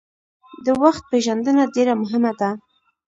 د وخت پېژندنه ډیره مهمه ده.